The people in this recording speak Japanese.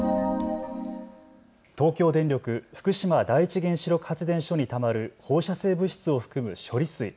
東京電力福島第一原子力発電所にたまる放射性物質を含む処理水。